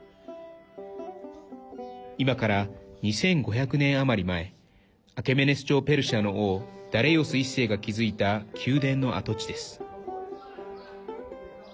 今から２５００年余り前アケメネス朝ペルシャの王ダレイオス１世が築いた宮殿の跡地です。